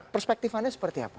perspektifannya seperti apa